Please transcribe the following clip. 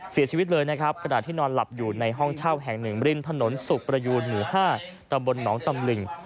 เสียชีวิตเลยนะครับขณะที่นอนหลับอยู่ในห้องเช่าแห่งหนึ่งริมถนนสุขประยูนหมู่๕ตำบลหนองตำลึง